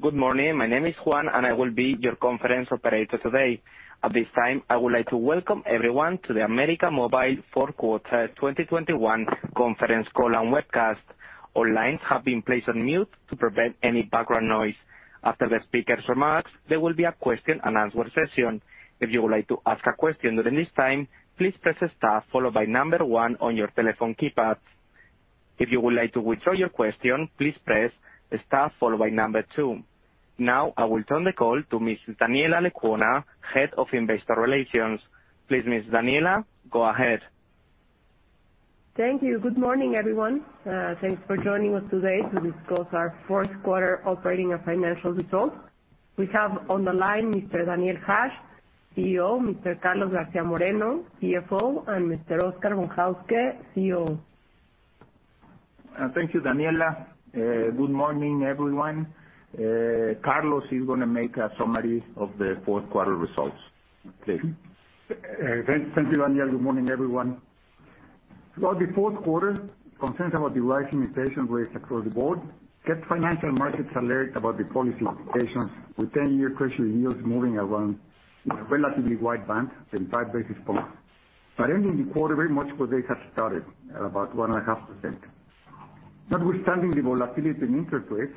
Good morning. My name is Juan, and I will be your conference operator today. At this time, I would like to welcome everyone to the América Móvil fourth quarter 2021 conference call and webcast. All lines have been placed on mute to prevent any background noise. After the speakers' remarks, there will be a question and answer session. If you would like to ask a question during this time, please press star followed by one on your telephone keypad. If you would like to withdraw your question, please press star followed by two. Now I will turn the call to Ms. Daniela Lecuona, Head of Investor Relations. Please, Ms. Daniela, go ahead. Thank you. Good morning, everyone. Thanks for joining us today to discuss our fourth quarter operating and financial results. We have on the line Mr. Daniel Hajj, CEO, Mr. Carlos García Moreno, CFO, and Mr. Óscar Von Hauske, COO. Thank you, Daniela. Good morning, everyone. Carlos is gonna make a summary of the fourth quarter results. Please. Thank you, Daniela. Good morning, everyone. Throughout the fourth quarter, concerns about the rising inflation rates across the board kept financial markets alert about the policy implications, with 10-year treasury yields moving around in a relatively wide band of 5 basis points, but ending the quarter very much where they had started at about 1.5%. Notwithstanding the volatility in interest rates,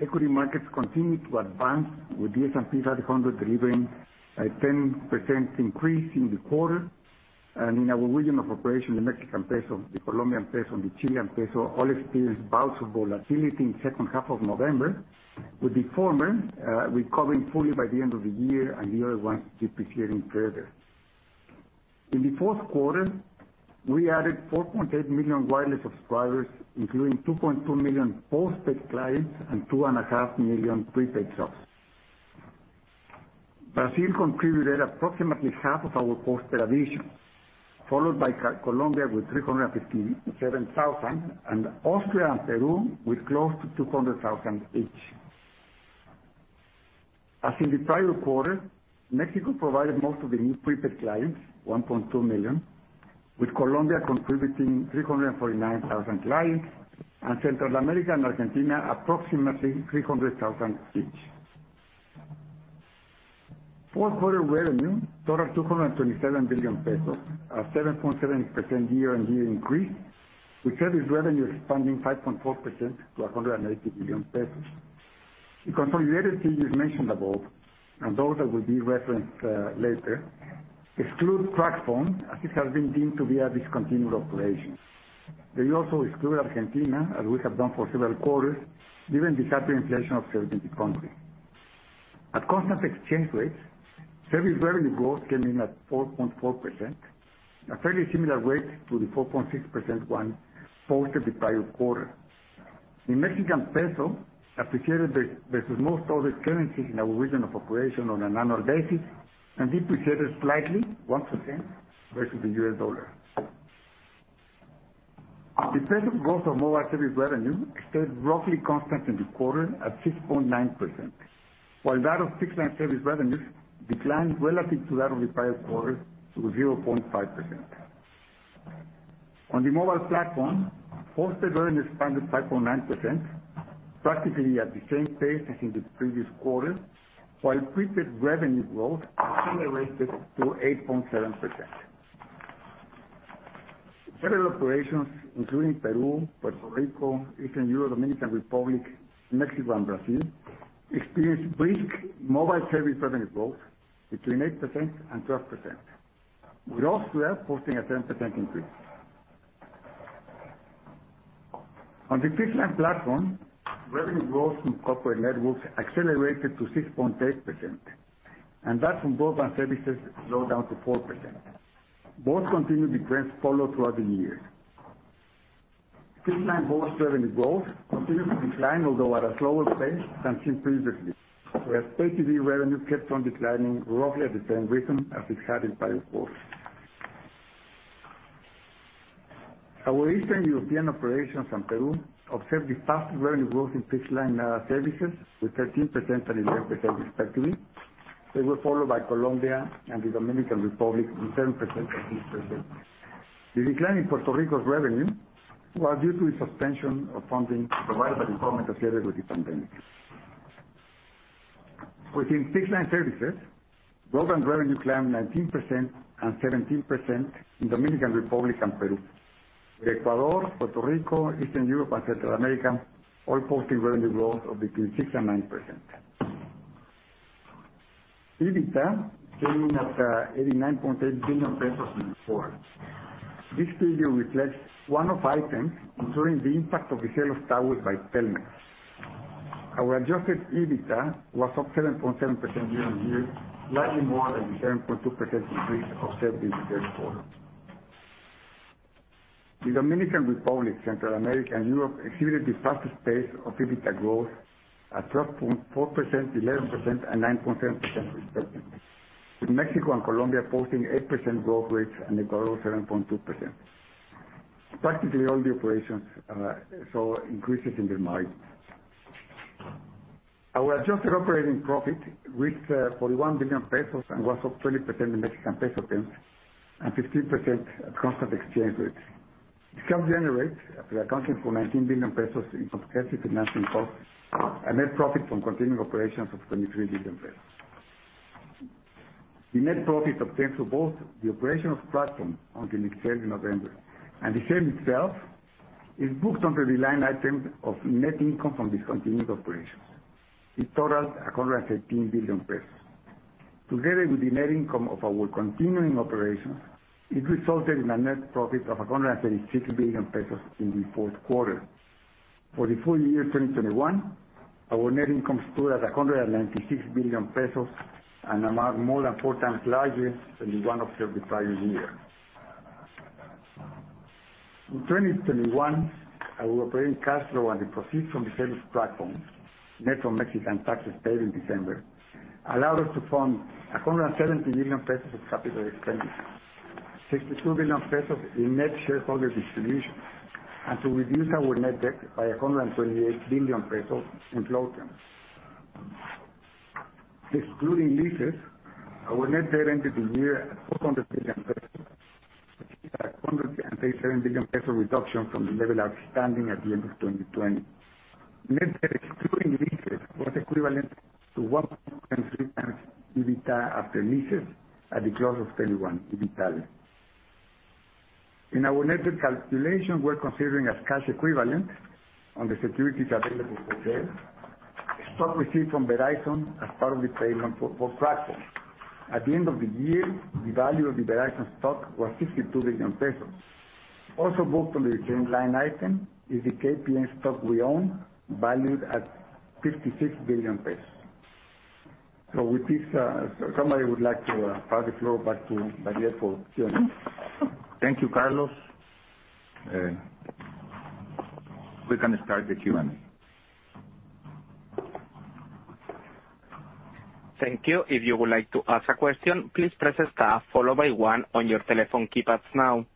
equity markets continued to advance with the S&P 500 delivering a 10% increase in the quarter. In our region of operation, the Mexican peso, the Colombian peso, and the Chilean peso all experienced bouts of volatility in the second half of November, with the former recovering fully by the end of the year and the other ones depreciating further. In the fourth quarter, we added 4.8 million wireless subscribers, including 2.2 million postpaid clients and 2.5 million prepaid subs. Brazil contributed approximately half of our postpaid additions, followed by Colombia with 357,000 and Chile and Peru with close to 200,000 each. As in the prior quarter, Mexico provided most of the new prepaid clients, 1.2 million, with Colombia contributing 349,000 clients, and Central America and Argentina approximately 300,000 each. Fourth quarter revenue totaled 227 billion pesos, a 7.7% year-on-year increase, with service revenue expanding 5.4% to 180 billion pesos. The consolidated figures mentioned above, and those that will be referenced later exclude TracFone as it has been deemed to be a discontinued operation. They also exclude Argentina, as we have done for several quarters, given the hyperinflation observed in the country. At constant exchange rates, service revenue growth came in at 4.4%, a fairly similar rate to the 4.6% one posted the prior quarter. The Mexican peso appreciated versus most other currencies in our region of operation on an annual basis and depreciated slightly, 1%, versus the US dollar. The percent growth of mobile service revenue stayed roughly constant in the quarter at 6.9%, while that of fixed line service revenues declined relative to that of the prior quarter to 0.5%. On the mobile platform, postpaid revenue expanded 5.9%, practically at the same pace as in the previous quarter, while prepaid revenue growth accelerated to 8.7%. Several operations, including Peru, Puerto Rico, Eastern Europe, Dominican Republic, Mexico, and Brazil, experienced brisk mobile service revenue growth between 8% and 12%, with Austria posting a 10% increase. On the fixed line platform, revenue growth from corporate networks accelerated to 6.8%, and that from broadband services slowed down to 4%. Both continued the trends followed throughout the year. Fixed line voice revenue growth continued to decline, although at a slower pace than seen previously, whereas pay TV revenue kept on declining roughly at the same rhythm as observed in prior quarters. Our Eastern European operations and Peru observed the fastest revenue growth in fixed line services with 13% and 11% respectively. They were followed by Colombia and the Dominican Republic with 10% and 6%. The decline in Puerto Rico's revenue was due to the suspension of funding provided by the government associated with the pandemic. Within fixed line services, broadband revenue climbed 19% and 17% in Dominican Republic and Peru. Ecuador, Puerto Rico, Eastern Europe, and Central America all posted revenue growth of between 6%-9%. EBITDA came in at MXN 89.8 billion in the quarter. This figure reflects one-off items, including the impact of the sale of towers by Telmex. Our adjusted EBITDA was up 7.7% year-on-year, slightly more than the 7.2% increase observed in the third quarter. The Dominican Republic, Central America, and Europe exhibited the fastest pace of EBITDA growth at 12.4%, 11%, and 9.7% respectively, with Mexico and Colombia posting 8% growth rates, and Ecuador 7.2%. Practically all the operations saw increases in their margins. Our adjusted operating profit reached 41 billion pesos and was up 20% in Mexican peso terms, and 15% at constant exchange rates. This helped generate, after accounting for 19 billion pesos in associated financial costs, a net profit from continuing operations of 23 billion pesos. The net profit obtained for both the operation of TracFone on June 18, November, and the sale itself is booked under the line item of net income from discontinued operations. It totals 113 billion pesos. Together with the net income of our continuing operations, it resulted in a net profit of 136 billion pesos in the fourth quarter. For the full year 2021, our net income stood at 196 billion pesos, an amount more than four times larger than the one observed the previous year. In 2021, our operating cash flow and the proceeds from the sale of TracFone, net from Mexican taxes paid in December, allowed us to fund 170 billion pesos of capital expenditures, 62 billion pesos in net shareholder distributions, and to reduce our net debt by 128 billion pesos in flow terms. Excluding leases, our net debt ended the year at MXN 400 billion, a MXN 137 billion reduction from the level outstanding at the end of 2020. Net debt excluding leases was equivalent to 1.3x EBITDA after leases at the close of 2021 EBITDA. In our net debt calculation, we're considering as cash equivalent on the securities available for sale, stock received from Verizon as part of the payment for TracFone. At the end of the year, the value of the Verizon stock was 62 billion pesos. Also booked on the same line item is the KPN stock we own, valued at 56 billion pesos. With this, somebody would like to pass the floor back to Daniel for Q&A. Thank you, Carlos. We can start the Q&A. Thank you. If you would like to ask a question, please press star followed by one on your telephone keypads now.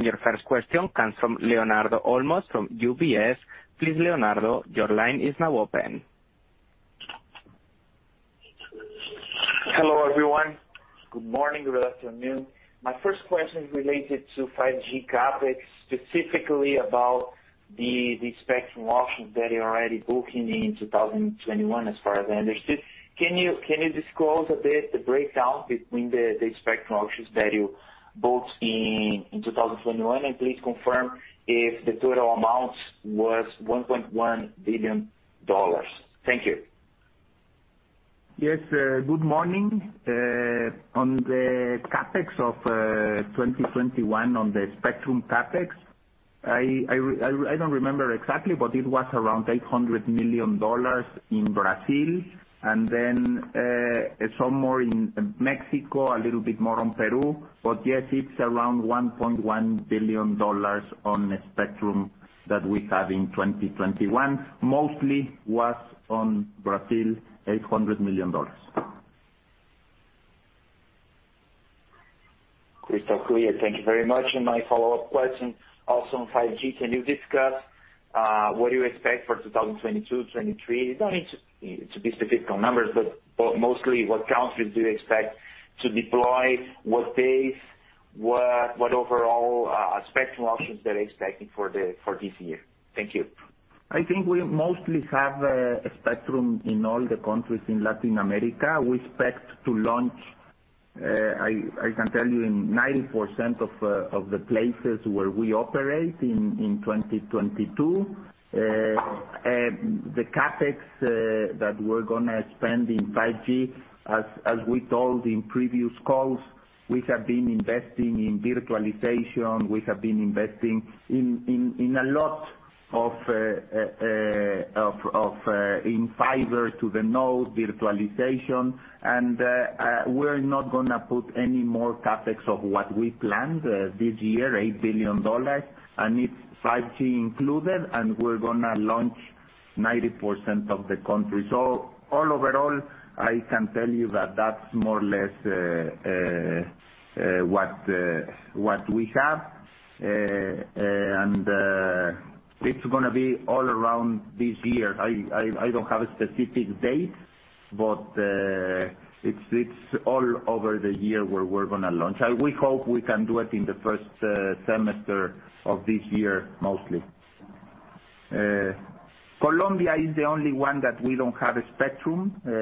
Your first question comes from Leonardo Olmos from UBS. Please, Leonardo, your line is now open. Hello, everyone. Good morning, good afternoon. My first question is related to 5G CapEx, specifically about the spectrum options that are already booking in 2021, as far as I understood. Can you disclose a bit the breakdown between the spectrum options that you booked in 2021, and please confirm if the total amount was $1.1 billion. Thank you. Yes. Good morning. On the CapEx of 2021, on the spectrum CapEx, I don't remember exactly, but it was around $800 million in Brazil, and then some more in Mexico, a little bit more in Peru. Yes, it's around $1.1 billion on the spectrum that we have in 2021. Mostly was in Brazil, $800 million. Crystal clear. Thank you very much. My follow-up question, also on 5G. Can you discuss what you expect for 2022, 2023? You don't need to be specific on numbers, but mostly what countries do you expect to deploy, what overall spectrum options that are expected for this year? Thank you. I think we mostly have a spectrum in all the countries in Latin America. We expect to launch. I can tell you in 90% of the places where we operate in 2022. The CapEx that we're gonna spend in 5G, as we told in previous calls, we have been investing in virtualization, we have been investing in a lot of fiber to the node virtualization. We're not gonna put any more CapEx than what we planned this year, $8 billion, and it's 5G included, and we're gonna launch 90% of the countries. Overall, I can tell you that that's more or less what we have. It's gonna be all around this year. I don't have a specific date, but it's all over the year where we're gonna launch. We hope we can do it in the first semester of this year, mostly. Colombia is the only one that we don't have a spectrum. We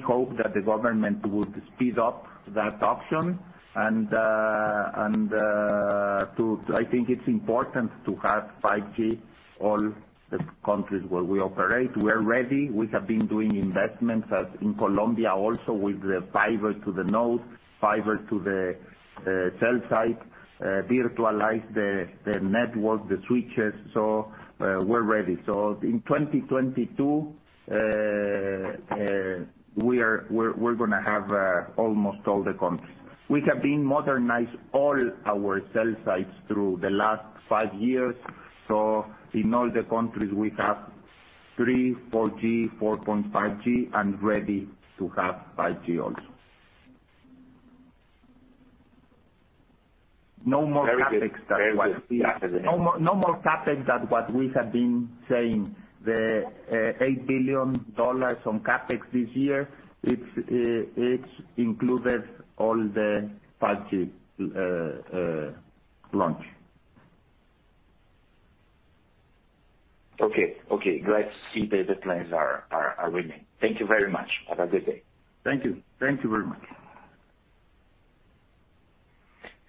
hope that the government would speed up that option. I think it's important to have 5G all the countries where we operate. We're ready. We have been doing investments as in Colombia also with the fiber to the node, fiber to the cell site, virtualize the network, the switches. We're ready. In 2022, we're gonna have almost all the countries. We have modernized all our cell sites through the last 5 years, so in all the countries we have 3G, 4G, 4.5G, and ready to have 5G also. No more CapEx than what we. Very good. No more CapEx than what we have been saying. The $8 billion on CapEx this year, it's included all the 5G launch. Okay. Glad to see the plans are winning. Thank you very much. Have a good day. Thank you. Thank you very much.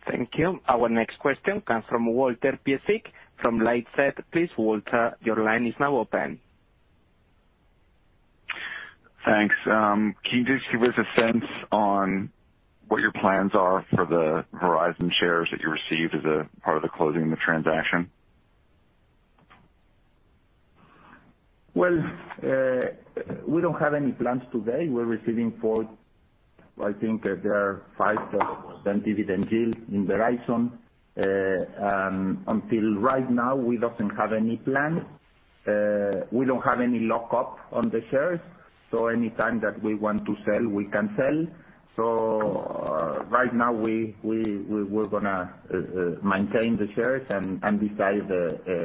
Thank you. Our next question comes from Walter Piecyk from LightShed Partners. Please, Walter, your line is now open. Thanks. Can you just give us a sense on what your plans are for the Verizon shares that you received as a part of the closing of the transaction? Well, we don't have any plans today. I think there are five products and dividend deals in Verizon. Until right now, we don't have any plan. We don't have any lockup on the shares, so any time that we want to sell, we can sell. Right now, we're gonna maintain the shares and decide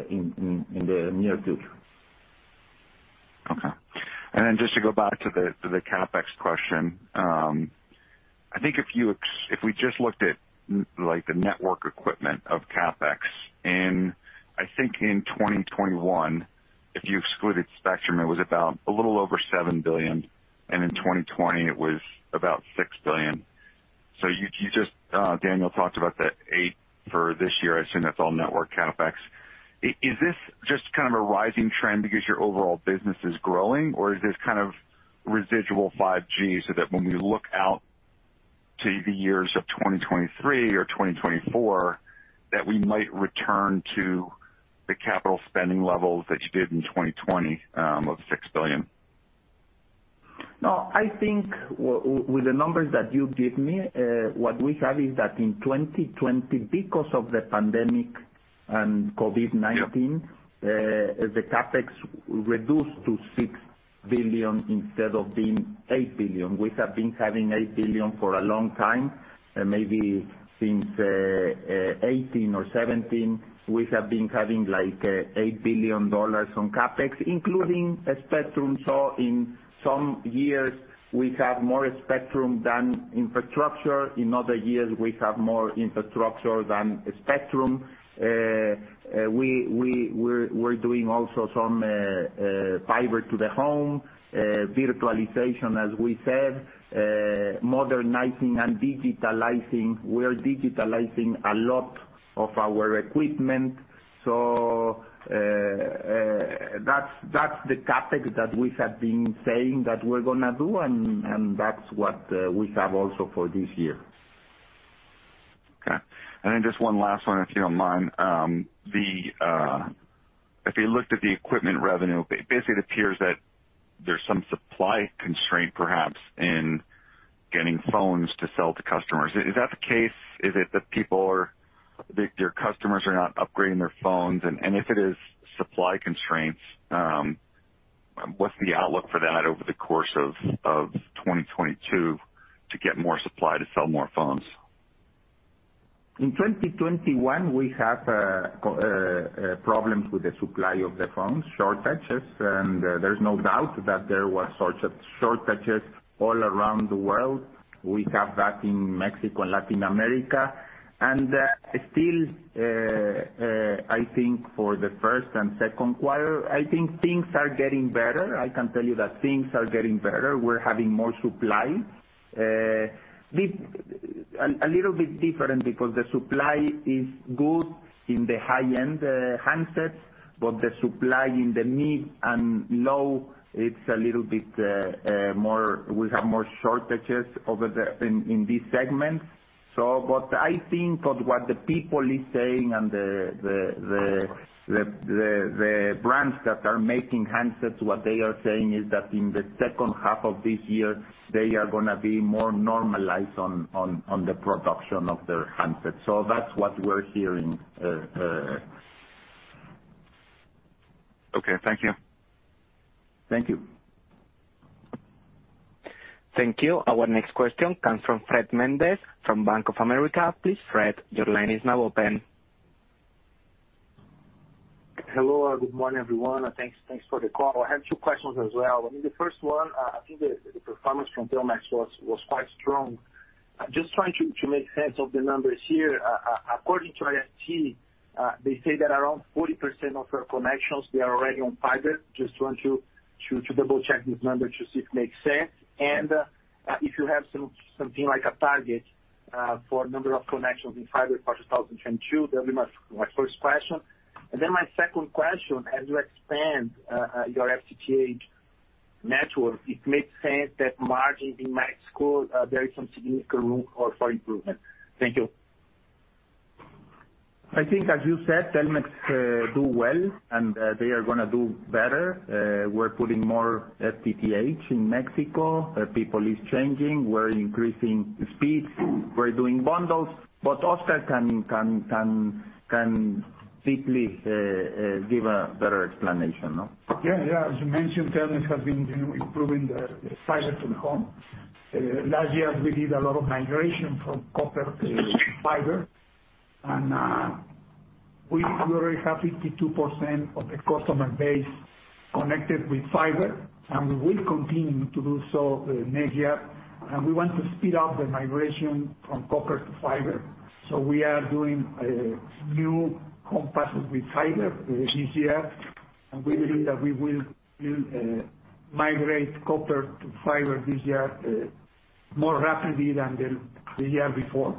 in the near future. Okay. Just to go back to the CapEx question. I think if we just looked at, like, the network equipment of CapEx in, I think in 2021, if you excluded spectrum, it was about a little over 7 billion, and in 2020, it was about 6 billion. You just, Daniel talked about the eight for this year. I assume that's all network CapEx. Is this just kind of a rising trend because your overall business is growing, or is this kind of residual 5G, so that when we look out to the years of 2023 or 2024, that we might return to the capital spending levels that you did in 2020, of 6 billion? No, I think with the numbers that you give me, what we have is that in 2020, because of the pandemic and COVID-19. Yeah The CapEx reduced to $6 billion instead of being $8 billion. We have been having $8 billion for a long time, maybe since 2018 or 2017, like $8 billion on CapEx, including spectrum. In some years, we have more spectrum than infrastructure. In other years, we have more infrastructure than spectrum. We're doing also some fiber to the home, virtualization, as we said, modernizing and digitalizing. We are digitalizing a lot of our equipment. That's the CapEx that we have been saying that we're gonna do, and that's what we have also for this year. Okay. Then just one last one, if you don't mind. If you looked at the equipment revenue, basically it appears that there's some supply constraint, perhaps, in getting phones to sell to customers. Is that the case? Is it that their customers are not upgrading their phones? If it is supply constraints, what's the outlook for that over the course of 2022 to get more supply to sell more phones? In 2021, we have problems with the supply of the phones, shortages, and there's no doubt that there was shortages all around the world. We have that in Mexico and Latin America. Still, I think for the first and second quarter, I think things are getting better. I can tell you that things are getting better. We're having more supply. This a little bit different because the supply is good in the high-end handsets, but the supply in the mid and low, it's a little bit more, we have more shortages over there in this segment. I think what the people is saying and the brands that are making handsets, what they are saying is that in the second half of this year, they are gonna be more normalized on the production of their handsets. That's what we're hearing. Okay. Thank you. Thank you. Thank you. Our next question comes from Fred Mendes from Bank of America. Please, Fred, your line is now open. Hello, good morning, everyone. Thanks for the call. I have two questions as well. I mean, the first one, I think the performance from Telmex was quite strong. Just trying to make sense of the numbers here. According to IFT, they say that around 40% of your connections, they are already on fiber. Just want to double-check this number to see if it makes sense. If you have something like a target for number of connections in fiber for 2022. That'll be my first question. Then my second question: As you expand your FTTH network, it makes sense that margins in Mexico, there is some significant room for improvement. Thank you. I think, as you said, Telmex do well, and they are gonna do better. We're putting more FTTH in Mexico. People is changing. We're increasing speeds. We're doing bundles. Óscar can quickly give a better explanation, no? Yeah. As you mentioned, Telmex has been, you know, improving the Fiber to the home. Last year, we did a lot of migration from copper to fiber. We already have 52% of the customer base connected with fiber, and we will continue to do so next year. We want to speed up the migration from copper to fiber. We are doing a new CapEx with fiber this year. We believe that we will migrate copper to fiber this year more rapidly than the year before.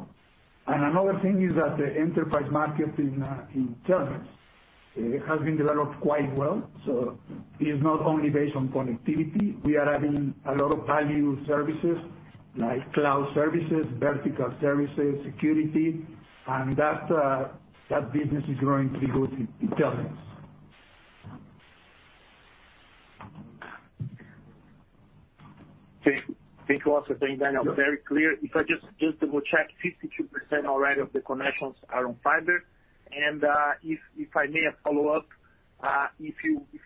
Another thing is that the enterprise market in terms it has been developed quite well. It is not only based on connectivity. We are adding a lot of value services like cloud services, vertical services, security, and that business is going to be good in terms. Thank you, Óscar. Thank you, Daniel. Very clear. If I just to go check 52% already of the connections are on fiber. If I may follow up, if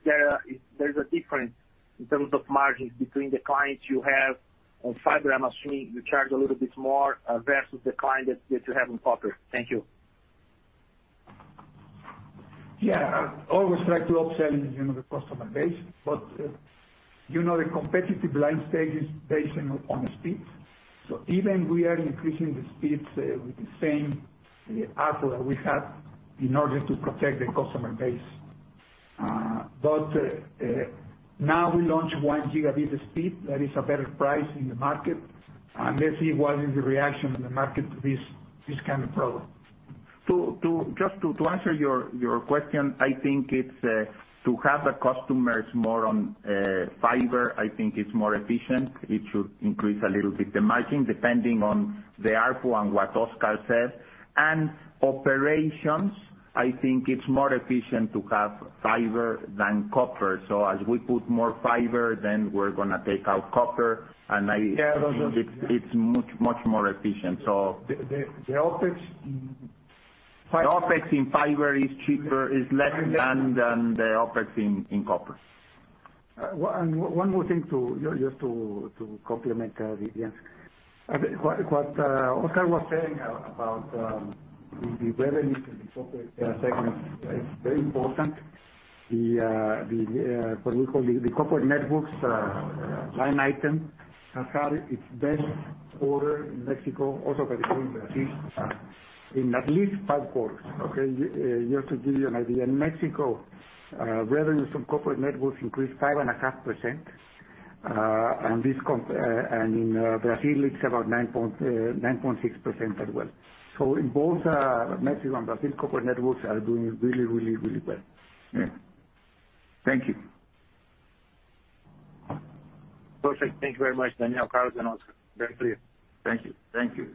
there's a difference in terms of margins between the clients you have on fiber. I'm assuming you charge a little bit more versus the client that you have on copper. Thank you. Yeah. Always like to upsell, you know, the customer base. The competitive landscape is based on the speeds. Even we are increasing the speeds with the same ARPU that we have in order to protect the customer base. Now we launch one Gb speed that is a better price in the market. Let's see what is the reaction in the market to this kind of product. Just to answer your question, I think it's to have the customers more on fiber. I think it's more efficient. It should increase a little bit the margin, depending on the ARPU and what Óscar said. Operations, I think it's more efficient to have fiber than copper. As we put more fiber, then we're gonna take out copper. Yeah. I think it's much more efficient, so. The OpEx in fiber. The OpEx in fiber is cheaper, is less than the OpEx in copper. One more thing, just to complement Daniel. What Óscar was saying about the revenue in the corporate segment is very important. What we call the corporate networks line item has had its best quarter in Mexico, also by the way in Brazil, in at least five quarters. Okay. Just to give you an idea. In Mexico, revenues from corporate networks increased 5.5%. And in Brazil, it's about 9.6% as well. In both Mexico and Brazil, corporate networks are doing really well. Yeah. Thank you. Perfect. Thank you very much, Daniel, Carlos and Óscar. Very clear. Thank you. Thank you.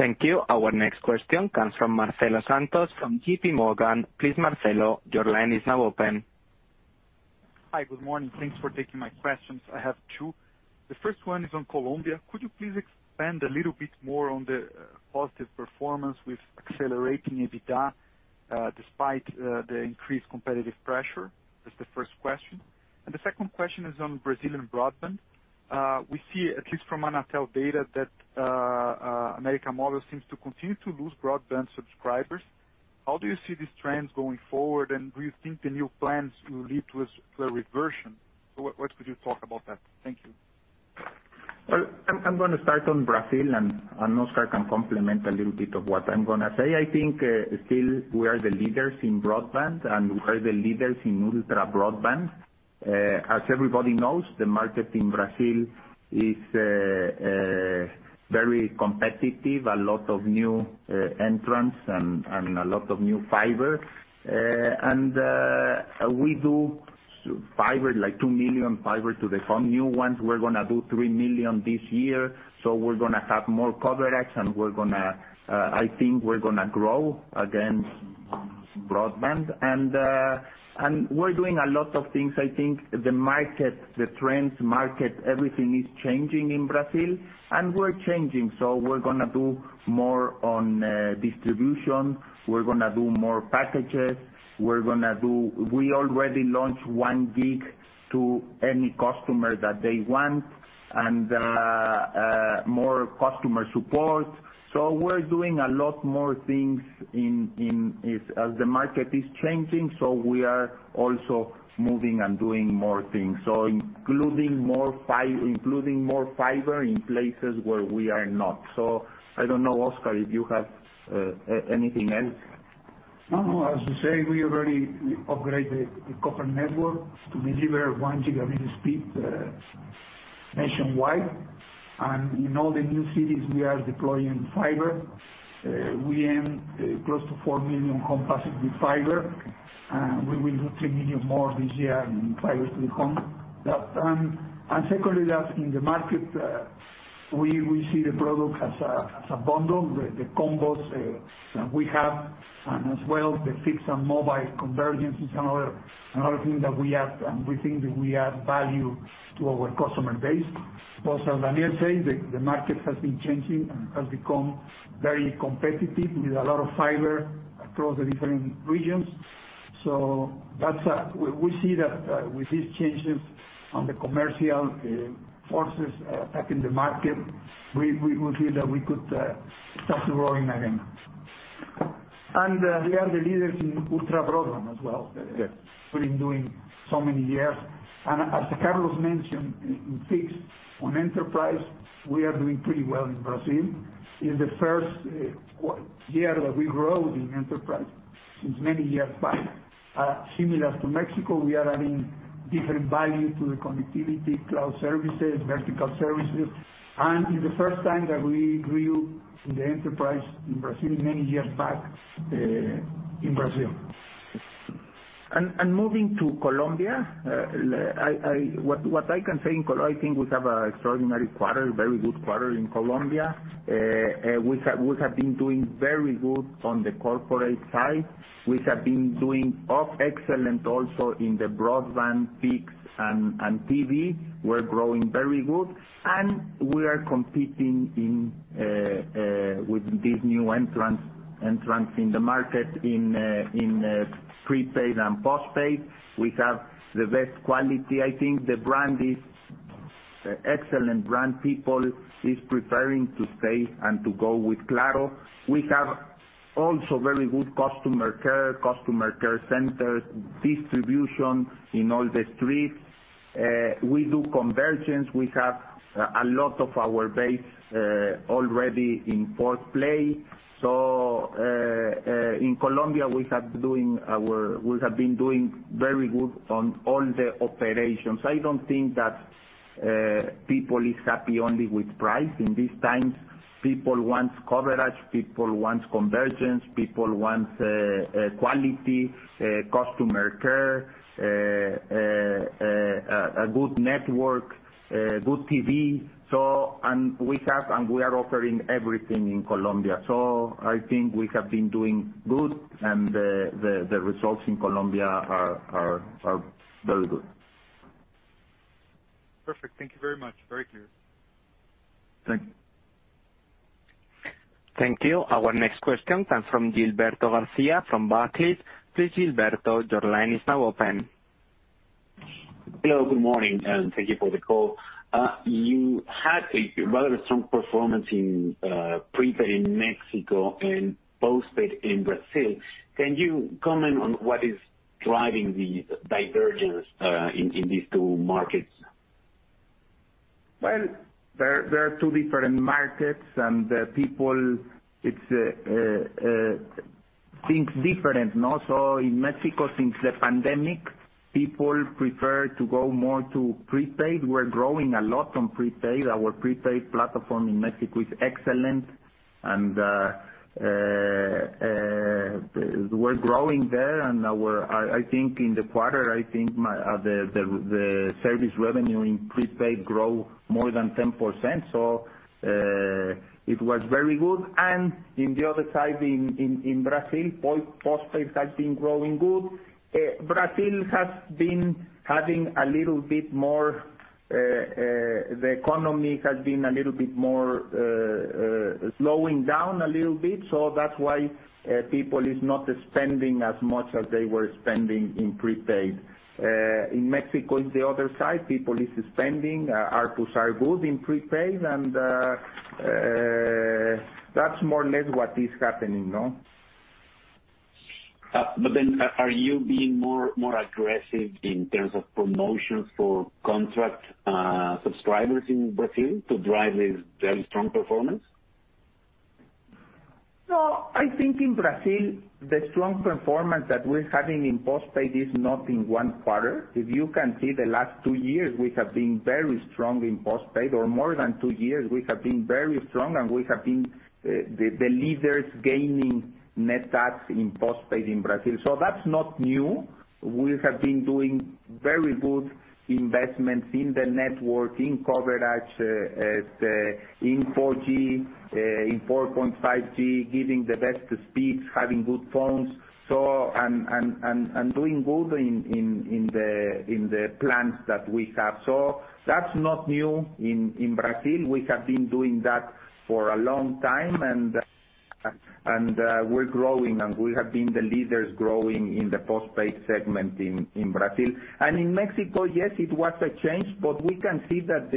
Thank you. Our next question comes from Marcelo Santos, from JPMorgan. Please, Marcelo, your line is now open. Hi. Good morning. Thanks for taking my questions. I have two. The first one is on Colombia. Could you please expand a little bit more on the positive performance with accelerating EBITDA despite the increased competitive pressure? That's the first question. The second question is on Brazilian broadband. We see at least from Anatel data that América Móvil seems to continue to lose broadband subscribers. How do you see these trends going forward, and do you think the new plans will lead to a reversion? What could you talk about that? Thank you. Well, I'm gonna start on Brazil, and Óscar can complement a little bit of what I'm gonna say. I think still we are the leaders in broadband, and we are the leaders in ultra broadband. As everybody knows, the market in Brazil is very competitive. A lot of new entrants and a lot of new fiber. We do fiber, like 2 million fiber to the home, new ones. We're gonna do 3 million this year. So we're gonna have more coverage, and we're gonna, I think we're gonna grow against broadband. And we're doing a lot of things. I think the market, the trends market, everything is changing in Brazil, and we're changing. So we're gonna do more on distribution. We're gonna do more packages. We already launched one gig to any customer that they want and more customer support. We're doing a lot more things as the market is changing, so we are also moving and doing more things, including more fiber in places where we are not. I don't know, Óscar, if you have anything else. No. As you say, we already upgraded the copper network to deliver 1 Gb speed nationwide. In all the new cities we are deploying fiber. We aim close to 4 million homes passed with fiber. We will do 3 million more this year in fiber to the home. That, and secondly, in the market, we see the product as a bundle. The combos that we have, and as well the fixed and mobile convergence is another thing that we add, and we think that we add value to our customer base. Also, as Daniel said, the market has been changing and has become very competitive with a lot of fiber across the different regions. That's what we see that with these changes on the commercial forces attacking the market we will see that we could start growing again. We are the leaders in ultra-broadband as well. Yes. We've been doing so many years. As Carlos mentioned, in fixed, on enterprise, we are doing pretty well in Brazil. In the first year that we grow in enterprise since many years back. Similar to Mexico, we are adding different value to the connectivity, cloud services, vertical services. It's the first time that we grew in the enterprise in Brazil many years back, in Brazil. Moving to Colombia, what I can say in Colombia, I think we have a extraordinary quarter, very good quarter in Colombia. We have been doing very good on the corporate side. We have been doing awfully excellent also in the broadband peaks and TV, we're growing very good. We are competing with these new entrants in the market in prepaid and postpaid. We have the best quality, I think. The brand is excellent brand. People is preferring to stay and to go with Claro. We have also very good customer care centers, distribution in all the streets. We do convergence. We have a lot of our base already in fourth play. In Colombia, we have been doing very good on all the operations. I don't think that people is happy only with price. In these times, people want coverage, people want convergence, people want quality, customer care, a good network, good TV. We are offering everything in Colombia. I think we have been doing good and the results in Colombia are very good. Perfect. Thank you very much. Very clear. Thank you. Thank you. Our next question comes from Gilberto García from Barclays. Please, Gilberto, your line is now open. Hello, good morning, and thank you for the call. You had a rather strong performance in prepaid in Mexico and postpaid in Brazil. Can you comment on what is driving the divergence in these two markets? Well, they're two different markets and the people thinks different. Also in Mexico, since the pandemic, people prefer to go more to prepaid. We're growing a lot on prepaid. Our prepaid platform in Mexico is excellent. We're growing there and I think in the quarter, I think the service revenue in prepaid grow more than 10%. It was very good. In the other side, in Brazil, postpaid has been growing good. Brazil has been having a little bit more the economy has been a little bit more slowing down a little bit. That's why people is not spending as much as they were spending in prepaid. In Mexico, in the other side, people is spending. Our ARPUs are good in prepaid and that's more or less what is happening, no? Are you being more aggressive in terms of promotions for contract subscribers in Brazil to drive this very strong performance? No. I think in Brazil, the strong performance that we're having in postpaid is not in one quarter. If you can see the last two years, we have been very strong in postpaid. More than two years, we have been very strong, and we have been the leaders gaining net adds in postpaid in Brazil. That's not new. We have been doing very good investments in the network, in coverage, in 4G, in 4.5G, giving the best speeds, having good phones. And doing good in the plans that we have. That's not new in Brazil. We have been doing that for a long time, and we're growing, and we have been the leaders growing in the postpaid segment in Brazil. In Mexico, yes, it was a change, but we can see that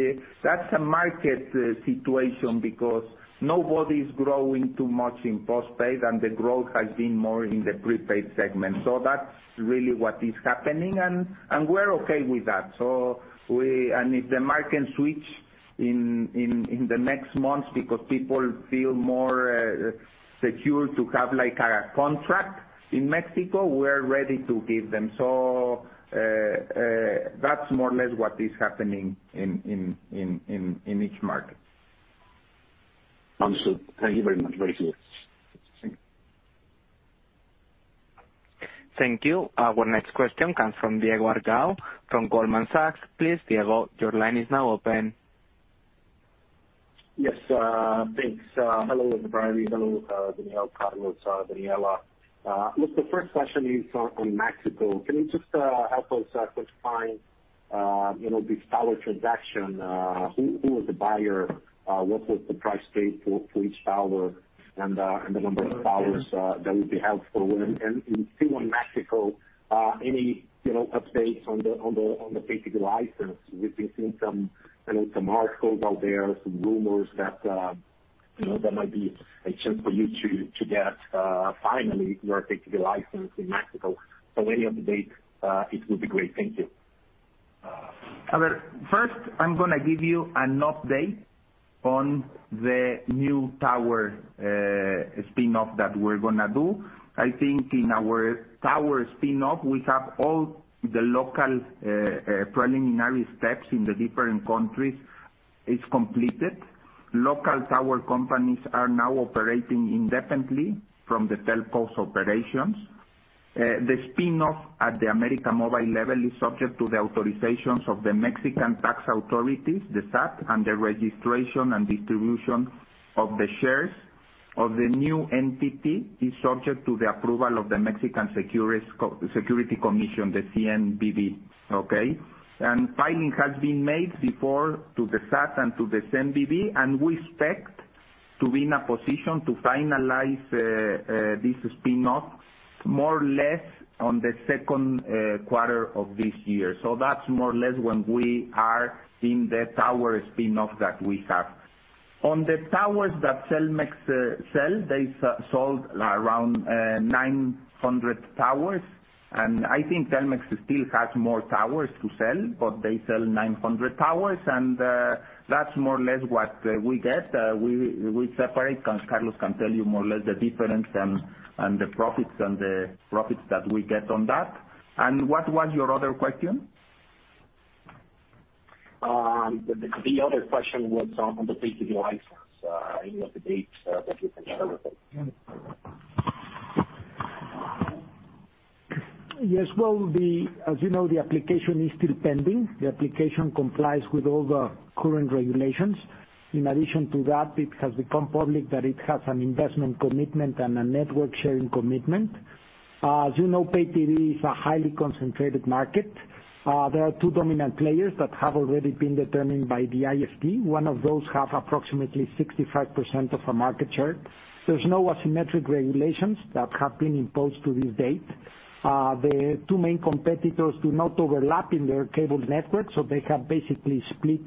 that's a market situation because nobody's growing too much in postpaid, and the growth has been more in the prepaid segment. That's really what is happening, and we're okay with that. If the market shifts in the next months because people feel more secure to have like a contract in Mexico, we're ready to give them. That's more or less what is happening in each market. Understood. Thank you very much. Very clear. Thank you. Thank you. Our next question comes from Diego Aragão from Goldman Sachs. Please, Diego, your line is now open. Yes, thanks. Hello, everybody. Hello, Daniel, Carlos, Daniela. Look, the first question is on Mexico. Can you just help us quantify. You know, the tower transaction, who was the buyer? What was the price paid for each tower and the number of towers? That would be helpful. Still on Mexico, any updates on the pay TV license? We've been seeing some, I know, some articles out there, some rumors that you know, that might be a chance for you to get finally your pay TV license in Mexico. Any updates, it would be great. Thank you. Diego, first, I'm gonna give you an update on the new tower spin off that we're gonna do. I think in our tower spin off, we have all the local preliminary steps in the different countries is completed. Local tower companies are now operating independently from the telcos operations. The spin off at the América Móvil level is subject to the authorizations of the Mexican tax authorities, the SAT, and the registration and distribution of the shares of the new entity is subject to the approval of the Mexican Securities Commission, the CNBV. Okay? Filing has been made before to the SAT and to the CNBV, and we expect to be in a position to finalize this spin off more or less on the second quarter of this year. That's more or less when we are seeing the tower spin off that we have. On the towers that Telmex sell, they sold around 900 towers, and I think Telmex still has more towers to sell, but they sell 900 towers and that's more or less what we get. We separate. Carlos can tell you more or less the difference and the profits that we get on that. What was your other question? The other question was on the pay TV license. Any updates that you can share with us? Yes. As you know, the application is still pending. The application complies with all the current regulations. In addition to that, it has become public that it has an investment commitment and a network sharing commitment. As you know, pay TV is a highly concentrated market. There are two dominant players that have already been determined by the IFT. One of those have approximately 65% of the market share. There's no asymmetric regulations that have been imposed to this date. The two main competitors do not overlap in their cable network, so they have basically split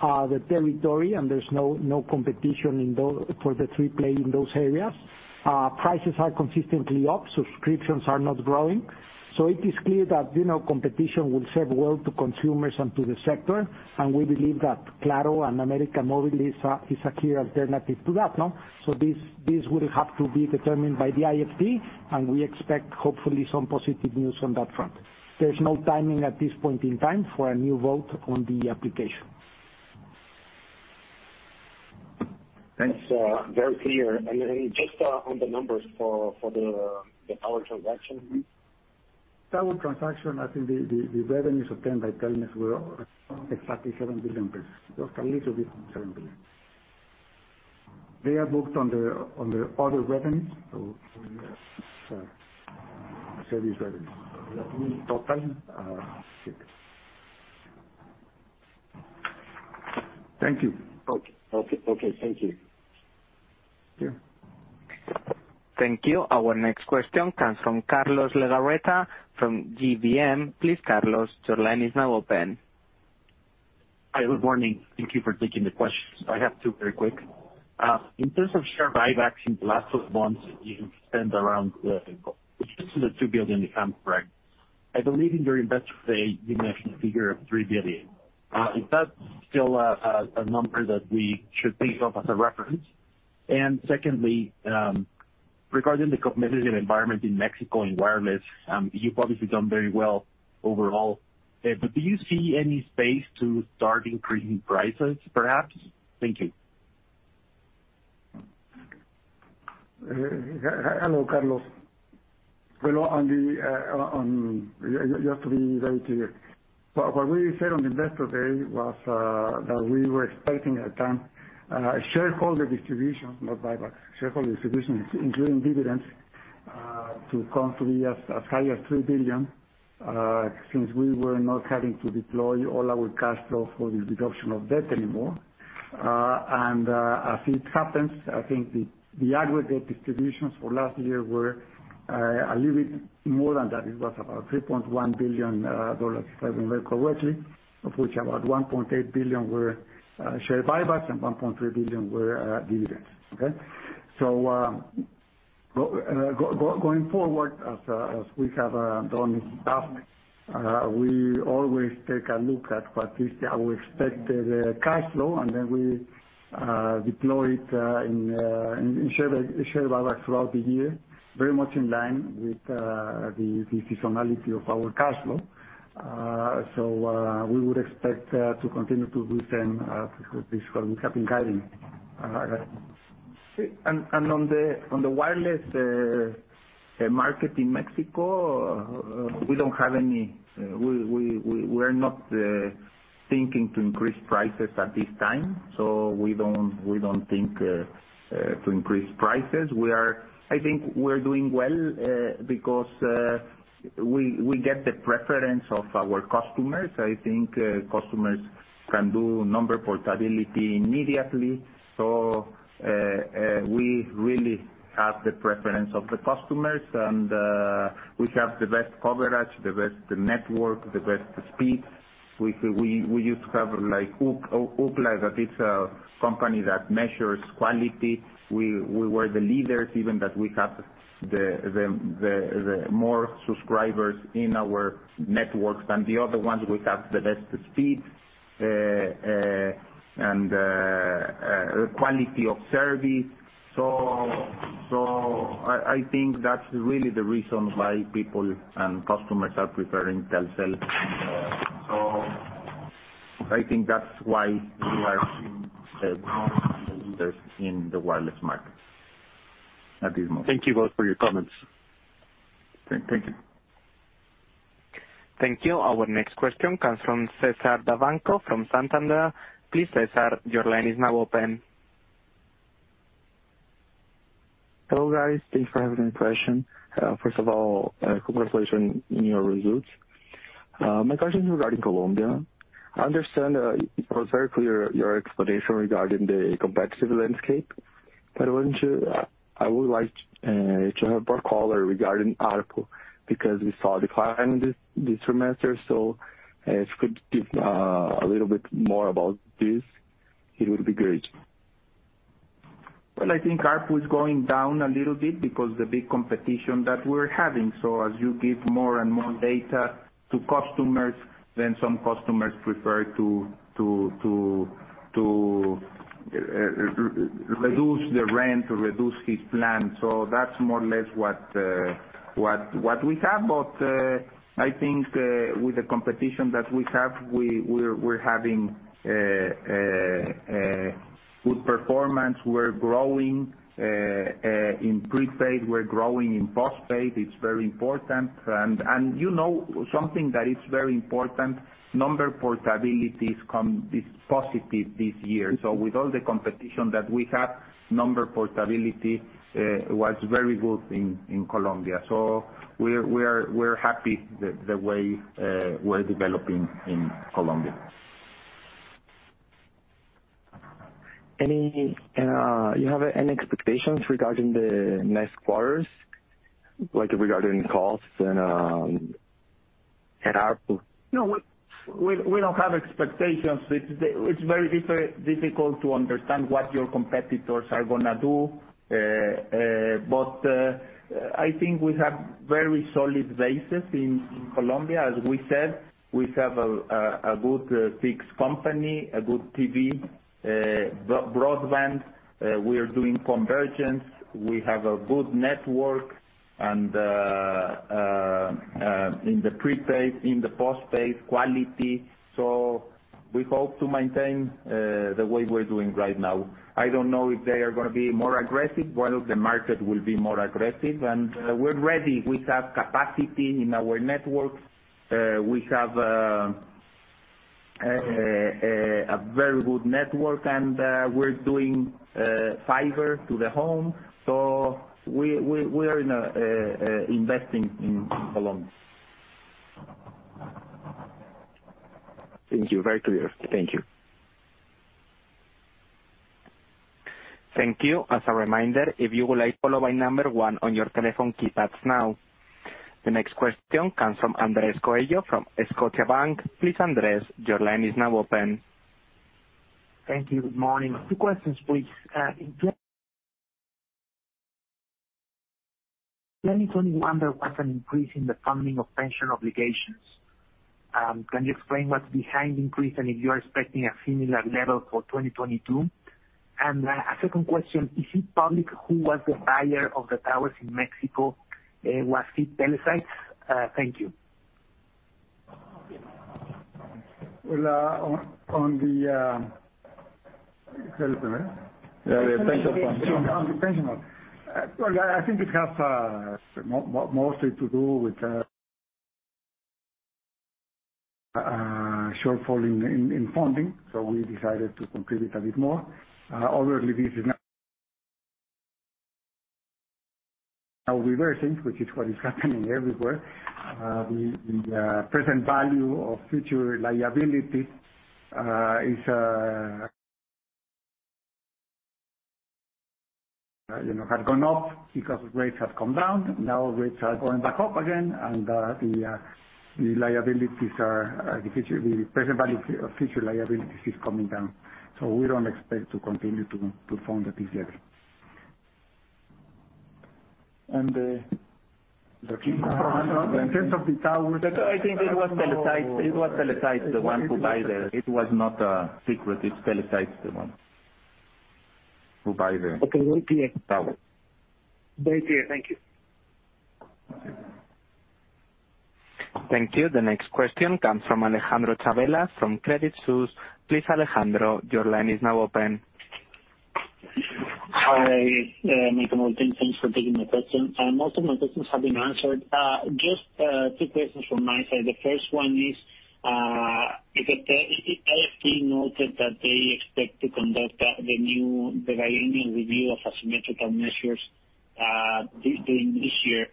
the territory and there's no competition for the triple play in those areas. Prices are consistently up, subscriptions are not growing. It is clear that, you know, competition will serve well to consumers and to the sector, and we believe that Claro and América Móvil is a key alternative to that now. This will have to be determined by the IFT, and we expect, hopefully, some positive news on that front. There's no timing at this point in time for a new vote on the application. Thanks. Very clear. Then just on the numbers for the tower transaction. Tower transaction, I think the revenues obtained by Telmex were exactly MXN 7 billion, just a little bit from MXN 7 billion. They are booked on the other revenues, so service revenues. In total. Thank you. Okay. Okay. Thank you. Yeah. Thank you. Our next question comes from Carlos Legoretta from GBM. Please, Carlos, your line is now open. Hi. Good morning. Thank you for taking the questions. I have two very quick. In terms of share buybacks in the last 12 months, you spent around, if this is the 2 billion, if I'm correct. I believe in your investor day you mentioned a figure of 3 billion. Is that still a number that we should think of as a reference? Secondly, regarding the competitive environment in Mexico in wireless, you've obviously done very well overall, but do you see any space to start increasing prices, perhaps? Thank you. Hello, Carlos. Well, you have to be very clear. What we said on Investor Day was that we were expecting a shareholder distribution, not buyback, shareholder distribution, including dividends, to come to be as high as $3 billion, since we were not having to deploy all our cash flow for the reduction of debt anymore. As it happens, I think the aggregate distributions for last year were a little bit more than that. It was about $3.1 billion, if I remember correctly, of which about $1.8 billion were share buybacks and $1.3 billion were dividends. Okay? Going forward, as we have done in the past, we always take a look at what is our expected cash flow, and then we deploy it in share buybacks throughout the year, very much in line with the seasonality of our cash flow. We would expect to continue to do the same for this year. We have been guiding. On the wireless market in Mexico, we're not thinking to increase prices at this time, so we don't think to increase prices. I think we're doing well, because we get the preference of our customers. I think customers can do number portability immediately. We really have the preference of the customers and we have the best coverage, the best network, the best speed. We used to have, like, Opensignal, that's a company that measures quality. We were the leaders, even though we have more subscribers in our networks than the other ones. We have the best speed and quality of service. I think that's really the reason why people and customers are preferring Telcel. I think that's why we are seeing growth as the leaders in the wireless market at this moment. Thank you both for your comments. Thank you. Thank you. Our next question comes from César Davanço from Santander. Please, César, your line is now open. Hello, guys. Thanks for having me. First of all, congratulations on your results. My question is regarding Colombia. I understand it was very clear your explanation regarding the competitive landscape, but I would like to have more color regarding ARPU, because we saw a decline this semester. If you could give a little bit more about this, it would be great. Well, I think ARPU is going down a little bit because the big competition that we're having. As you give more and more data to customers, then some customers prefer to reduce the rate or reduce his plan. That's more or less what we have. I think with the competition that we have, we're having a good performance. We're growing in prepaid, we're growing in postpaid. It's very important. You know, something that is very important, number portability is positive this year. With all the competition that we have, number portability was very good in Colombia. We're happy the way we're developing in Colombia. You have any expectations regarding the next quarters, like regarding costs and ARPU? No, we don't have expectations. It's very difficult to understand what your competitors are gonna do. I think we have very solid basis in Colombia. As we said, we have a good fixed company, a good TV, broadband. We are doing convergence. We have a good network and in the prepaid, in the postpaid quality. We hope to maintain the way we're doing right now. I don't know if they are gonna be more aggressive. Well, the market will be more aggressive, and we're ready. We have capacity in our network. We have a very good network, and we're doing fiber to the home. We are investing in Colombia. Thank you. Very clear. Thank you. Thank you. As a reminder, if you would like to follow up, press number one on your telephone keypads now. The next question comes from Andrés Coello from Scotiabank. Please, Andrés, your line is now open. Thank you. Good morning. Two questions, please. In 2021, there was an increase in the funding of pension obligations. Can you explain what's behind increase and if you are expecting a similar level for 2022? A second question: Is it public who was the buyer of the towers in Mexico? Was it Telesites? Thank you. Well, on the. Yeah. The pension plan. On the pension plan. Well, I think it has mostly to do with shortfall in funding. So we decided to contribute a bit more. Obviously, this is now reversing, which is what is happening everywhere. The present value of future liability is, you know, had gone up because rates have come down. Now rates are going back up again and the liabilities are the present value of future liabilities is coming down. So we don't expect to continue to fund it this year. In terms of the towers. I think it was Telesites. It was not a secret. It's Telesites, the one who buy the. Okay. Very clear. Tower. Very clear. Thank you. Thank you. The next question comes from Alejandro Chavelas from Credit Suisse. Please, Alejandro, your line is now open. Hi, Miguel Martin. Thanks for taking the question. Most of my questions have been answered. Just two questions from my side. The first one is, if the IFT noted that they expect to conduct the new biannual review of asymmetrical measures during this year,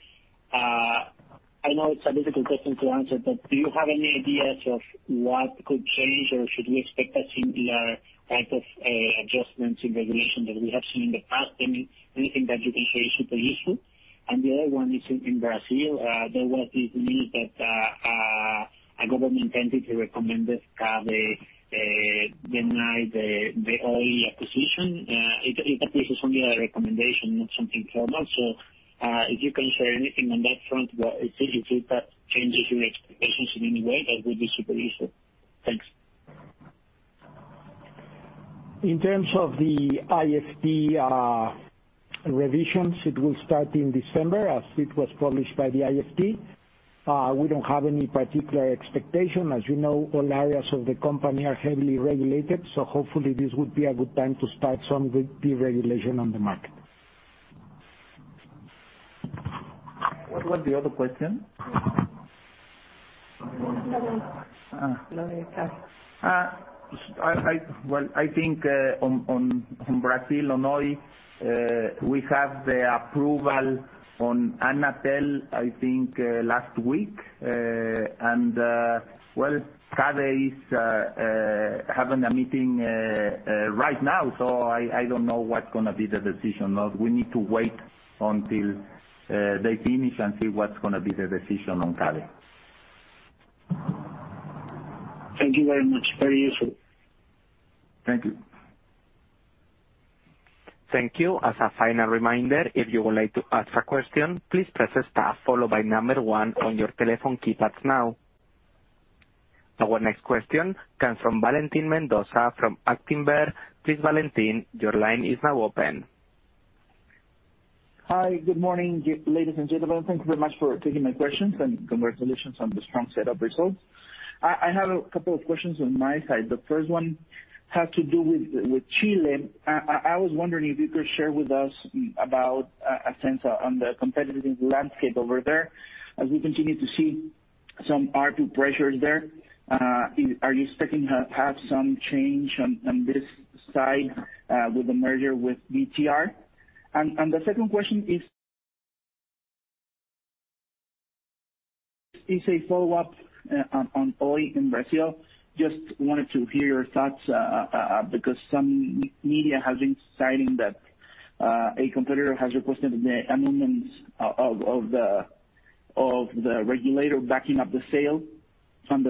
I know it's a difficult question to answer, but do you have any ideas of what could change, or should we expect a similar type of adjustments in regulation that we have seen in the past? Anything that you can say is super useful. The other one is in Brazil. There was this news that a government entity recommended they deny the Oi acquisition. It applies to some other recommendation, not something formal. If you can share anything on that front, what it is, if it changes your expectations in any way, that would be super useful. Thanks. In terms of the IFT, revisions, it will start in December, as it was published by the IFT. We don't have any particular expectation. As you know, all areas of the company are heavily regulated, so hopefully this would be a good time to start some re-deregulation on the market. What was the other question? Nothing. Uh. Nothing. Well, I think in Brazil on Oi we have the approval from Anatel, I think last week. Well, CADE is having a meeting right now, so I don't know what's gonna be the decision. We need to wait until they finish and see what's gonna be the decision from CADE. Thank you very much. Very useful. Thank you. Thank you. As a final reminder, if you would like to ask a question, please press star followed by one on your telephone keypads now. Our next question comes from Valentín Mendoza from Actinver. Please, Valentín, your line is now open. Hi. Good morning, ladies and gentlemen. Thank you very much for taking my questions, and congratulations on the strong set of results. I have a couple of questions on my side. The first one has to do with Chile. I was wondering if you could share with us about Entel on the competitive landscape over there, as we continue to see some ARPU pressures there. Are you expecting to have some change on this side with the merger with VTR? The second question is. It's a follow-up on Oi in Brazil. Just wanted to hear your thoughts because some media has been citing that a competitor has requested the amendments of the regulator backing up the sale on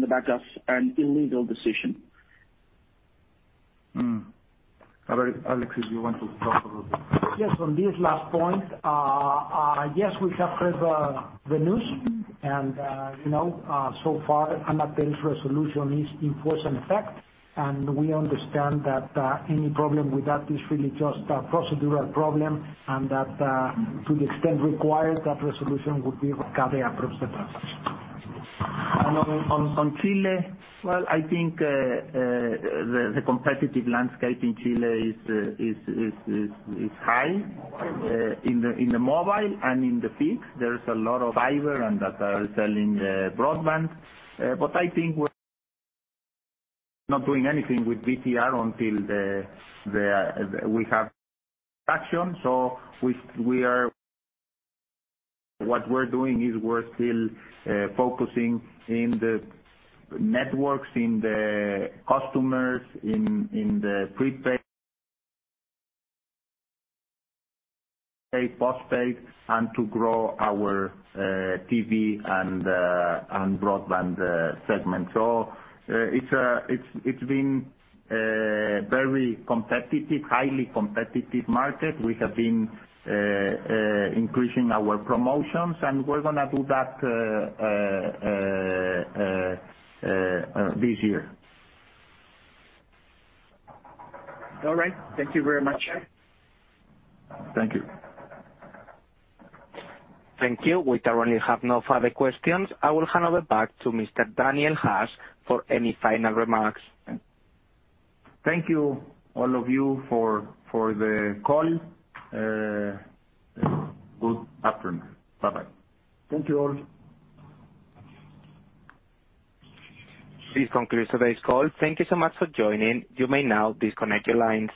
the back of an illegal decision. Carlos, if you want to talk about this. Yes, on this last point, yes, we have heard the news and, you know, so far, Anatel's resolution is in force in effect. We understand that any problem with that is really just a procedural problem and that, to the extent required, that resolution would be CADE approved as well. On Chile, well, I think the competitive landscape in Chile is high. In the mobile and in the fixed, there is a lot of fiber, and they are selling the broadband. But I think we're not doing anything with VTR until we have traction. What we're doing is we're still focusing in the networks, in the customers, in the prepaid, postpaid, and to grow our TV and broadband segment. It's been a very competitive, highly competitive market. We have been increasing our promotions and we're gonna do that this year. All right. Thank you very much. Thank you. Thank you. We currently have no further questions. I will hand over back to Mr. Daniel Hajj for any final remarks. Thank you, all of you, for the call. Good afternoon. Bye-bye. Thank you all. This concludes today's call. Thank you so much for joining. You may now disconnect your lines.